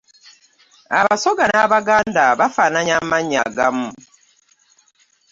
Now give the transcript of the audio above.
Abasoga n'abaganda bafaananya amannya agamu.